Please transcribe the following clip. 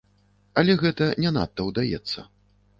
Але гэта не надта ўдаецца.